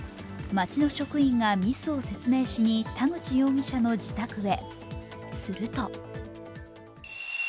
町の職員がミスを説明しに田口容疑者の自宅へ。